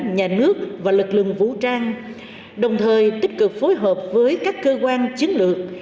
nhà nước và lực lượng vũ trang đồng thời tích cực phối hợp với các cơ quan chiến lược